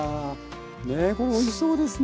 ねえこれおいしそうですね。